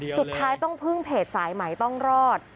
สุดท้ายต้องพึ่งเพจสายใหม่ต้องรอด